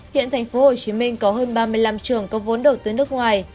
hiện tp hcm có hơn ba mươi năm trường có vốn đầu tư nước ngoài